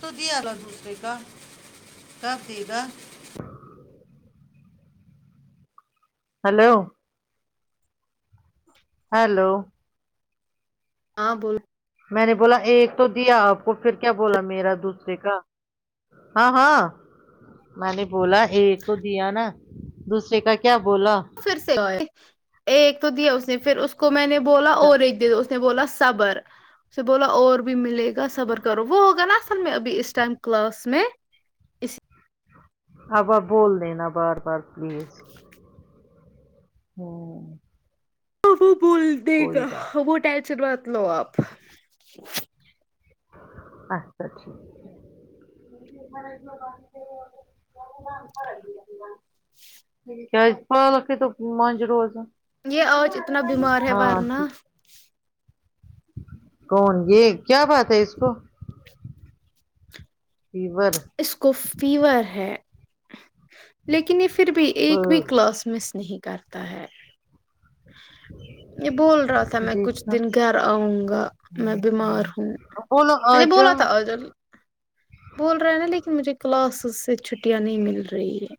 ک دیال دوسرے کا کف د رہا ہلو ا [unintelligible] [inaudible] ہیلو ہاں بول میں نے بولا ایک تو دیا آپ کو پھر کیا بولا میرا دوسرے کا ہاں ہاں میں نے بولا ایک تو دیا نا دوسرے کا کیا بولا پھر سے ہو ایک تو دیا اس نے پھر اس کو میں نے بولا اچھا اور ایک دے اس نے بولا سبر اس بولا اور بھی ملے گا صبر کرو وہ ہوگا نا سر میں ابھی اس ٹائم کلاس میں اسی اب بول دینا بار بار پلیز ہوں وہ بول دے کوئی گا بات وہ ٹینشن بت لو آپ اچھا ٹھیک مے ب اا لگ گ تا کیا پ لک تو منج روز یہ آج اتنا بیمار ہے ہاں ورنہ ٹھیک کون یہ کیا بات ہے اس کو فور اس کو فیور ہے لیکن یہ پھر بھی ایک بھی کلاس مس نہیں کرتا ہے یہ بول رہا تھا میں کچھ دیکھنا دن گھر آؤں گا میں بیمار ہ بولو ہ آ م بول جاؤ تھا ہ [unintelligible] [inaudible] بول رہے ہیں نا لیکن مجھے کلاسز سے چھٹیاں نہیں مل رہی ہے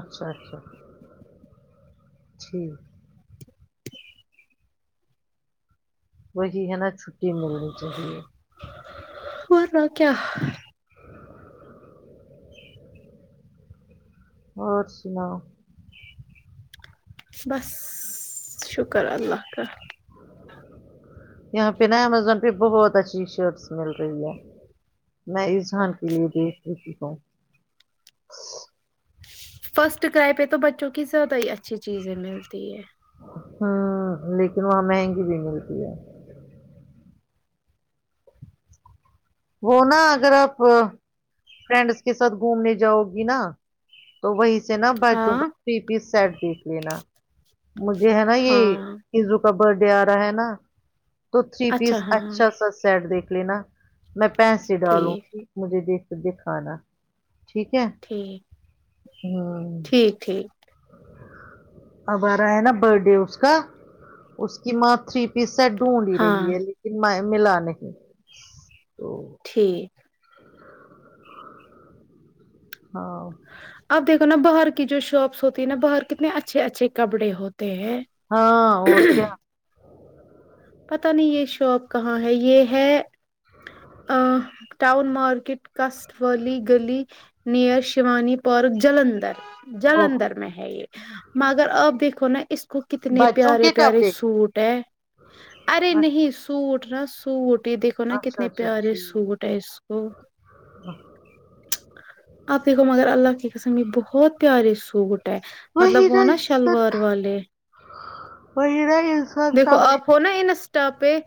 اچھا اچھا [inaudible] [unintelligible] جٹھ [unintelligible] وہی ہے نا چھٹی ملنی چاہیے ہو رہا کیا اور سناؤ بس شکر اللہ کا یہاں پہ نا امزون پہ بہت اچھی شرٹس مل رہی ہے میں اذہان کے لیے دیکھ لیتی ہوں فرسٹ کرائے پہ تو بچوں کی زیادہ ہی اچھی چیزیں ملتی ہے ہوں لیکن وہاں مہنگی بھی ملتی ہے وہ نا اگر آپ فرینڈس کے ساتھ گھومنے جاؤ گی نا تو وہی سے نا بچوں ہاں پر تھری پیس سیٹ دیکھ لینا مجھے ہے نا یہ ہاں زرو کا برتھ ڈے آ رہا ہے نا تو تھری پیس اچھا سا سیٹ دیکھ لینا میں پیسے ڈالوں ٹھیک مجھے دیکھ دکھانا ٹھیک ہے ٹھیک ہوں ٹھیک ٹھیک ابارا ہے نا برت ڈے اس کا اس کی ماں تھری پیس ڈھونڈ ہی رہی ہاں ہے لیکن ملا نہیں تو ٹھیک ہاں اب دیکھو نا باہر کی جو شاپس ہوتی ہے نا باہر کتنے اچھے اچھے کپڑے ہوتے ہیں ہاں اور کیا پت نہیں یہ شاپ کہاں ہے یہ ہے ا ٹؤن مارکیٹ کاسٹ والی گلی نییر شیوانی پارک جلندھر او جلندر میں ہے یہ مگر آپ دیکھو نا اس کو کتنے بچوں پیارے کے پیارے کپڑے سوٹ [inaudible] ارے نہیں سوٹ نا سوٹ یہ دیکھو نا اچھا کتنے اچھا پیارے ٹھیک سوٹ ہے اس کو آپ دیکھو مگر اللہ کی قسم یہ بہت پیارے سوٹ ہے وہی مطلب وہ نا انسان، شلوار والے وہی نا انسان دیکھو سب آپ ہوناا انسٹا پہ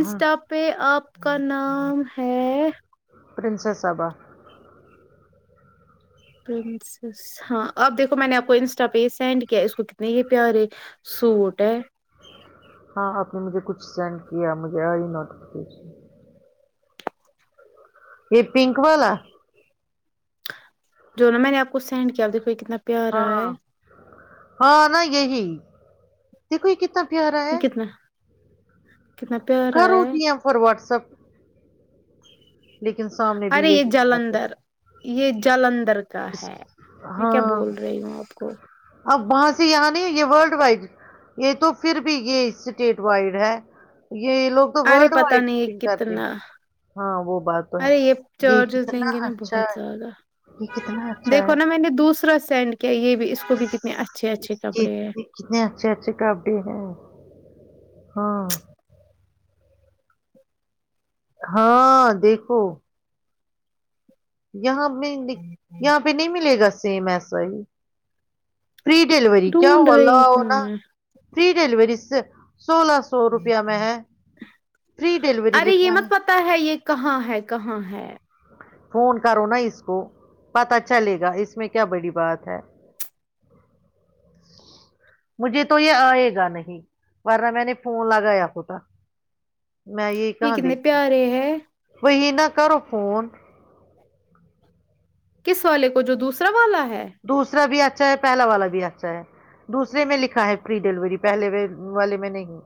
ہاں پہ آپ کا نام ہے پرنسس سبا پرنسس ہاں اپ دیکھو میں نے آپ کو انسٹا پہ ہی سینڈ کیا اس کو کتنے ہی پیارے سوٹ ہے ہاں آپ نے مجھے کچھ سینڈ کیا مجھے آئی نوٹیفیکیشن یہ پنک والا جو نا میں نے آپ کو سینڈ کیا دیکھو کتنا پیارا ہاں ہے ہاں نہ یہی تو کوئی کتا یہ کتنا کتنا پیارا کرو ہے گییا فر وٹسپ لیکن سامنے بھی ارے یہ یہی ہونا چاہیے جلندھر یہ جلندر کا اس- ہے میں کیا ہاں بول رہی ہوں آپ کو اب وہاں سے یہاں نہیں یہ ورلڈ وائڈ یہ تو پھر بھی یہ اسٹیٹ وائڈ ہے یہ لوگ تو ارے ورلڈ پتا وائڈ نہیں شاپنگ کرتے ہیں کتنا ہاں وہ بات تو ہے ارے یہ یہ چارجز لیں کتنا گے نا اچھا بہت ہے زیادہ یہ کتنا اچھا ہے دیکھو نا میں نے دوسرا سینڈ کیا یہ بھی اس کو بھی کتنے اچھے اچھے اس کے کپڑے ہیں اتنے- کتنے اچھے اچھے کاپی ہیں ہاں ہاں دیکھو یہاں بھی یہاں پہ نہیں ملے گا سیم ایسا ہی فری ڈیلیوری کیا ڈھونڈ والا رہی ہوں ہونا میں فری ڈیلیوری سے سولہ سو سو روپیہ میں ہے فری ڈیلیور ارے یہ مت پت ہے یہ کہاں ہے کہاں ہے فون کرو نا اس کو پت چلے گا اس میں کیا بڑی بات ہے مجھے تو یہ آئے گا نہیں ورنہ میں نے فون لگایا خٹ میں یہی یہ کہاں کتنے دیکتی پیارے ہے وہہینہ کرو فون کس والے کو جو دوسرا والا ہے دوسرا بھی اچھا ہے پہلا والا بھی اچھا ہے دوسرے میں لکھا ہے فری ڈلیوری پہلے والے میں نہیں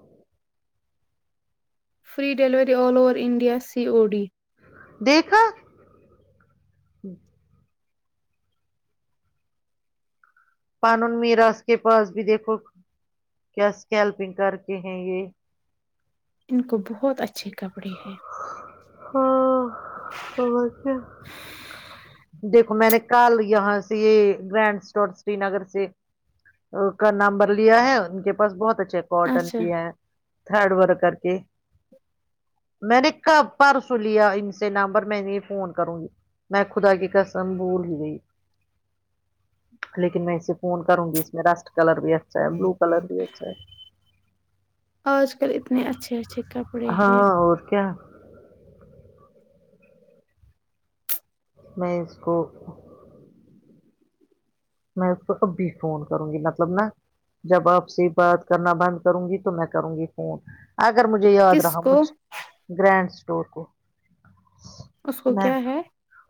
free delivery all over India C O D دیکھا پانون میراث کے پاس بھی دیکھو کیا اسکیلپنگ کر کے ہیں یہ ان کو بہت اچھے کپڑے ہے ہاں س کیا دیکھو میں نے کل یہاں سے یہ گرانڈ سٹ سری نگر سے کا نمبر لیا ہے ان کے پاس بہت اچھے کاٹن اچھا بھی ہے تھرڈ ور کر کے میں نے ک پرسو لیا ان سے نمبر میں نے فون کروں گی میں خدا کی قسم بول ہی گئی لیکن میں اسے فون کروں گی اس میں رسٹ کلر بھی اھا اچھ بلو کلر بھی اچھا ہے آج کل اتنے اچھے اچھے کپڑے ہے ہیں ہاں اور کیا میں اس کو میں اس کو کبھی فون کروں گی مطلب نا جب آپ سے بات کرنا بند کروں گی تو میں کروں گی فون اگر مجھے یاد کس رہا کو مجھ گرینڈ اسٹور کو اس کو میں کیا ہے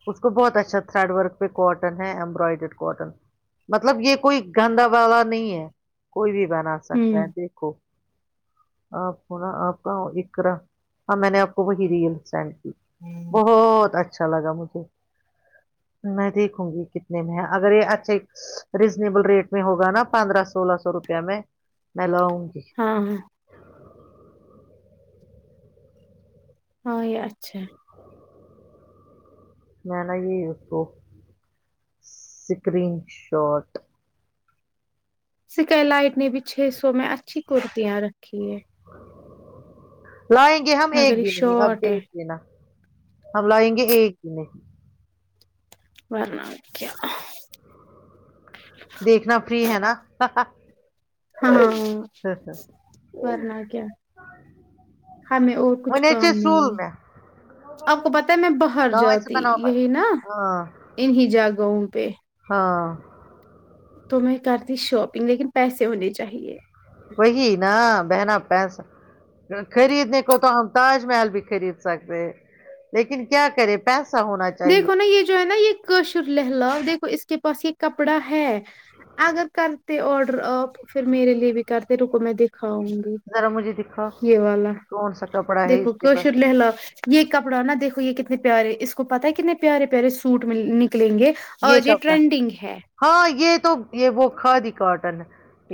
اس کو بہت اچھا تھریڈ ورک پہ کاٹن ہے امبرائڈڈ کاٹن مطلب یہ کوئی گندا والا نہیں ہے کوئی بھی بنا سکتا ہوں ہے دیکھو آپ کو نا آپ کا اکرا ہاں میں نے آپ کو وہی ریل سینڈ بہت اچھا اچھا لگا مجھے میں دیکھوں گی کتنے میں ہے اگر یہ اچھا ریزنیبل ریٹ میں ہوگا نا پندرہ سولہ سو روپے میں میں لاؤں گی ہاں ہاں ہاں یہ اچھا میں نےا یہ یز ب سکرین شاٹ سکی لائٹ نے بھی چھ سو میں اچھی کرتیاں رکھی ہے لائیں گے ہم مگر ایک یہ بھی نہیں اب شارٹ ہے دیکھ دینا ہم لائیں گے ایک بھی نہیں بورنا ہوکا دیکھنا فری ہے نا ہاں ون آ کیا ہمیں اور کچھ کام نیچرس نہیں رول ہے میں آپ کو پت ہے میں باہر نوائس جاتی بناؤ پر یہی نا ہاں انیں جگہوں پہ ہاں تو میں کرتی شاپنگ لیکن پیسے ہونے چاہیے وہی نا بہنا پیسا خریدنے کو تو ہم تاج محل بھی خرید سکتے ہیں لیکن کیا کرے پیسہ ہونا چاہیے دیکھو نا یہ جو ہے نا یہ کاشر لہلاؤ دیکھو اس کے پاس یہ کپڑا ہے اگر کرتے آڈر اپ پھر میرے لیے بھی کرتے رکو میں دکھاؤں گی ذرا مجھے دکھاؤ یہ والا کون سا کپڑا ہے اس دیکھو کے کش پاس ل ل یہ کپڑا نا دیکھو یہ کتنے پیارے اس کو پت ہے کتنے پیارے پیارے سوٹ نکلیں گے یہ آج کپڑا ٹرینڈنگ ہے ہاں یہ تو یہ وہ کھادی کاٹن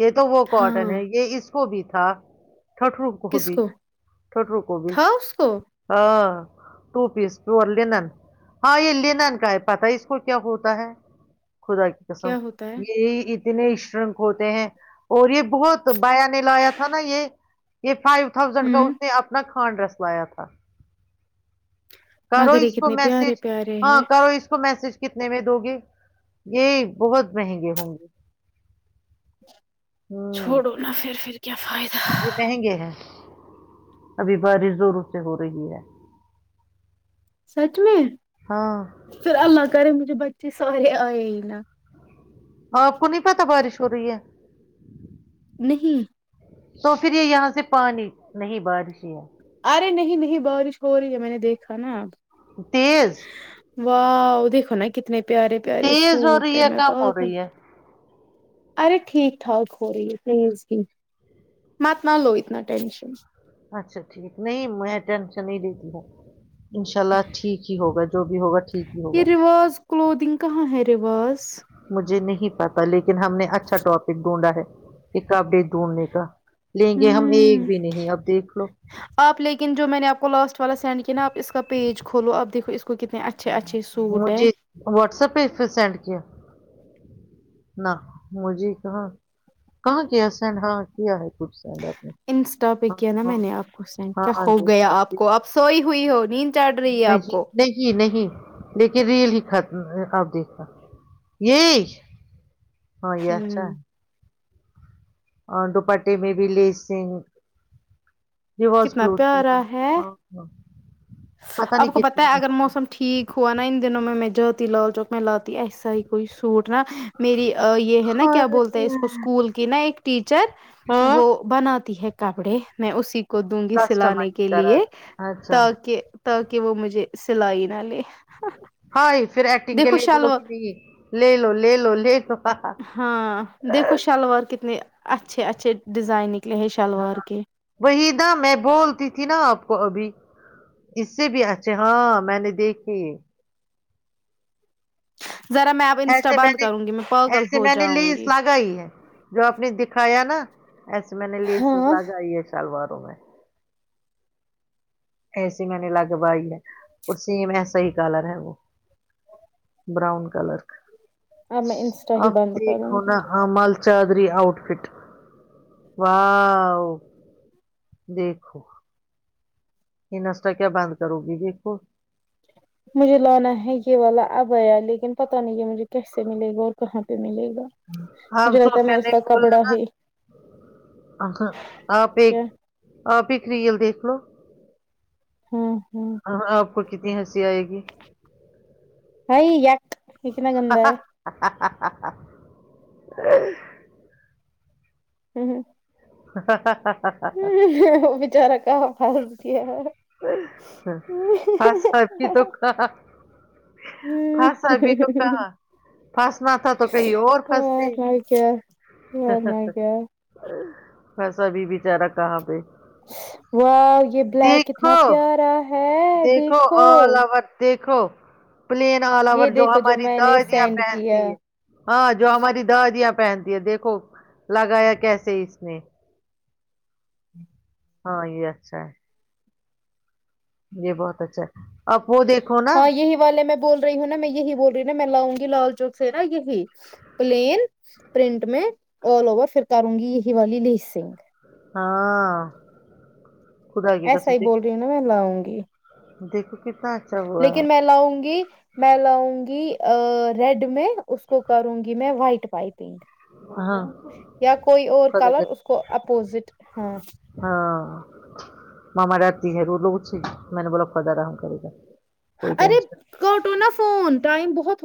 یہ تو وہ کاٹن ہاں ہے یہ اس کو بھی تھا ٹٹرو کس گوبھی کو وٹرو گوبھی تھا اس کو ہ ٹو پیس پیور لینن ہاں یہ لینن کا ہے پتا ہے اس کو کیا ہوتا ہے خدا کی قسم کیا ہوتا ہے یہی اتنے شرنک ہوتے ہیں اور یہ بہت بایا نے لایا تھا نا یہ یہ فائیو تھازینڈ کا ہوں اس نے اپنا کھان ڈ رس لایا تھا کرو مگر یہ اس کو کتنے میسج پیارے پیارے ہاں ہیں کرو اس کو میسج کتنے میں دو گے یہ بہت مہنگے ہوں گے ہوں چھوڑو نہا پھر پھر کیا فائدہ یہ مہنگے ہیں ابھی بارش زوروں سے ہو رہی ہے سچ میں ہاں پھر اللہ کرے مجھے بچے سارے آئے ہی نا آپ کو نہیں پتا بارش ہو رہی ہے نہیں تو پھر یہ یہاں سے پانی نہیں بارش ہے ارے نہیں نہیں بارش ہو رہی ہے میں نے دیکھا نا اب تیز واہ دیکھو نا کتنے پیارے پیارے تیز ہو سوٹ رہی ہے میں کم ہو پاگل رہی ہے ارے ٹھیک ٹھاک ہو رہی ہے پلیز کی مات نہ لو اتنا ٹینشن اچھا ٹھیک نہیں میں ٹینشن نہیں دیتی ہوں ان شاء اللہ ٹھیک ہی ہوگا جو بھی ہوگا ٹھیک ہی یہ ہوگا رواز کلودنگ کہاں ہے رواز مجھے نہیں پتا لیکن ہم نے اچھا ٹاپک ڈھونڈا ہے ایک اپڈیٹ ڈھونڈنے کا لیں گے ہم ایک ہوں بھی نہیں اب دیکھ لو آپ لیکن جو میں نے آپ کو لاسٹ والا سینڈ کیا نا آپ اس کا پیج کھولو آپ دیکھو اس کو کتنے اچھے اچھے سوٹ ہے مجھے واٹسپ پہ پھر سینڈ کیا نہ مھے کہاں کہاں کیا سن ہاں کیا ہے کچھ سینڈ آپ نے انسٹا پ ہاں کیا نا میں ہاں نے آپ کو سین ہاں کیا ہاں ہوو گیا دیکھا آپ کو دیکھا۔ آپ سوئی ہوئی ہو نیند چڑھ رہی ہے آپ نہیں کو نہیں نہیں لیکن ریل ہی ختم اب دیکھا یہ ہاں یہ اچھا ہوں اور دوپاٹے میں بھی لیسنگ کتنا پیارا ہے واں آپ کو بتیا اگر موسم ٹھیک ہوا نا ان دنو میں جات لال چوک میں لاتی اس سئی کوئی سوٹ نا میری یہ ہے نا کیا بولتے ہیں اس کو اسکول کی نا ایک ٹیچر ہاں وہ بناتی ہے کپڑے میں اسی کو دوں گی سلانے کسٹمائز کے کرا لیے اچھا تاکہ تاکہ وہ مجھے سلائی نہ لے ہاں پھر ایکٹنگ کے دیکھو لیے بولو کہ شلوار نہیں لے لو لے لو لے ل ہاں دیکھو شلوار کتنے اچھے اچھے ڈیزائن نکلے ہیں شلوار کے وہی نہا میں بولتی تھی نا آپ کو ابھی اس سے بھی اچھے ہاں میں نے دیکھے ذرا میں اب انسٹا ایسے میں بند نے کروں گی پاگل ایسے ہو میں نے لی جاؤں گی اسلاگا ہی ہے جو آپ نے دکھایا نا ایسے میں نے لیس ہاں لگائی ہے شالواروں میں ایسیے میں نے لگوائی ہے اور سیم ایسا ہی کلر ہے وہ براؤن کلر اب میں انسٹا ہی اب بند دیک کروں گی ہونا ہ مال چادادری آؤٹ فٹ و دیکھو یہ نشتہ کیا بند کرو گی دیکھو مجھے لانا ہے یہ والا اب آیا لیکن پتا نہیں ہے مجھے کیسے ملے گا اور کہاں پہ ملے گا ہاں مجھے لگتا ہے سوفیا میں اس نے کا بولا کپڑا نا ہے آپ ایک کیا آپ ب کریئل دیکھ لو ہاں ہاں ہاں آپ کو کتنی ہنسی آئے گی ا [inaudible] ہوں ہوں [inaudible] وہ بچارا کا [inaudible] پھنسا بھی تو کہا پھنسا بھی تو کہا پھنسنا تھا تو کہیں اور ہوں وار پھنستے ن کیا وار ن کیا ویسا بھی بچارہ کہاں پہ و یہ بلیک اتنا دیکھو پیارا دیکھو الاوٹ دیکھو پلین آل اور یہ جو دیکھو ہماری میں نے دادیاں سینڈ کیا پہنتی ہے ہاں جو ہماری دادیاں پہنتی ہے دیکھو لگایا کیسے اس نے ہاں یہ اچھ ہے یہ بہت اچھا ہے اب وہ دیکھو نا ہاں یہی والے میں بول رہی ہوں نا میں یہی بول رہی ہ نا میں لاؤ گی لال چوک سے نا یہی پلین پرنٹ میں آل اوور پھر کروں گی یہی والی لی سنگھ ہاں خدا آ گ ایسا کسم ہی د بول رہی ہوں نا میں لاؤں گی دیکھو کتنا اچھا ہوا ہے لیکن میں لاؤں گی میں لاؤں گی ریڈ میں اس کو کروں گی میں وائٹ وائپ پنک ہاں یا کوئی اور خدا کلر کرے اس کو اپوزٹ ہاں ہاں ماما رہتی ہے تو لوگ میں نے بولا خدا آرم کرے گا کوئی ارے ٹینشن کوٹو نہا فون ٹائم بہت